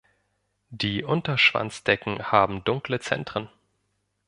Die Unterschwanzdecken haben dunkle Zentren.